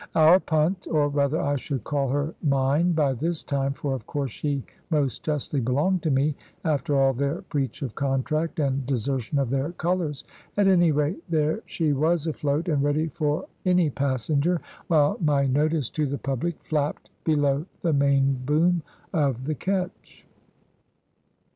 Our punt (or rather I should call her mine by this time, for of course she most justly belonged to me, after all their breach of contract, and desertion of their colours) at any rate, there she was afloat and ready for any passenger, while my notice to the public flapped below the mainboom of the ketch.